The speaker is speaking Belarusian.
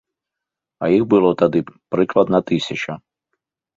А іх было тады, прыкладна, тысяча.